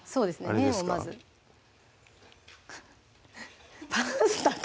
麺をまずパスタか！